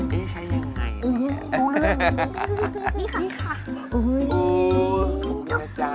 ดีจะรับเป็นพี่เอ๊ยใช้อย่างไร